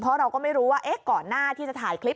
เพราะเราก็ไม่รู้ว่าก่อนหน้าที่จะถ่ายคลิป